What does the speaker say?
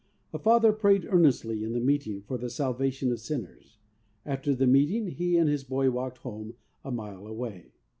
A father prayed earnestly in the Meeting for the Salvation of sinners. After the Meeting, he and his boy walked home a mile away.